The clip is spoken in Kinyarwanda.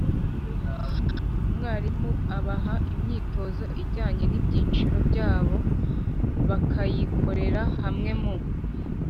Umwarimu abaha imyitozo ijyanye n’ibyiciro byabo bakayikorera hamwe mu